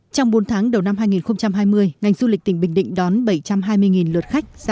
trong bốn tháng đầu năm hai nghìn hai mươi ngành du lịch tỉnh bình định đón bảy trăm hai mươi lượt khách